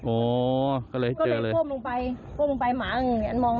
โอ้ก็เลยเจอเลยก็เลยพ่มลงไปพ่มลงไปหมามันมองหน้าแบบเนี้ยค่ะอืม